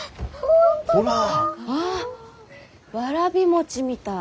わあわらび餅みたい。